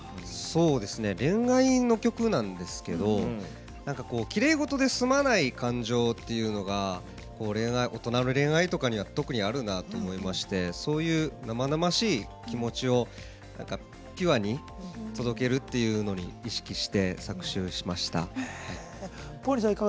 恋愛の曲なんですがきれい事ですまない感情というのが大人の恋愛には特にあるなと思いましてそういう生々しい気持ちをピュアに届けるっていうのを意識して、作詞をしました。